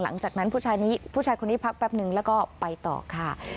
หลังจากนั้นผู้ชายคนนี้พักแป๊บนึงแล้วก็ไปต่อค่ะ